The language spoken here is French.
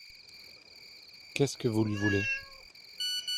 Qu’est-ce que vous lui voulez ?…